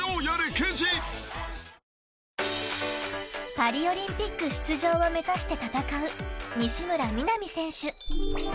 パリオリンピック出場を目指して戦う、西村弥菜美選手。